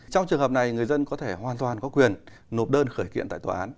trong trường hợp này người dân có thể hoàn toàn có quyền nộp đơn khởi kiện tại tòa án